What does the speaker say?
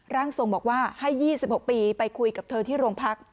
ร่างทรงบอกว่าให้๒๖ปีไปคุยกับเธอที่โรงพัก